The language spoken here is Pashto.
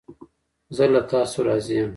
زه له تاسو راضی یم